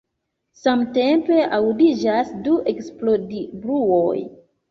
Samtempe aŭdiĝas du eksplodbruoj.